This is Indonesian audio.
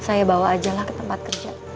saya bawa aja lah ke tempat kerja